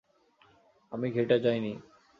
আমি ঘেঁটে যাইনি!